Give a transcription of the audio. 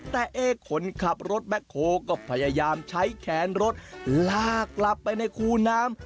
แต่เอ๊คนขับรถแบ็คโฮก็พยายามใช้แขนรถลากกลับไปในคูน้ำ